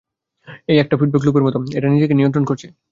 এটা একটা ফিডব্যাক লুপের মতো, আর এটা নিজেই নিজেকে নিয়ন্ত্রণ করছে।